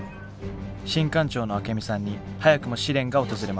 新艦長のアケミさんに早くも試練が訪れます。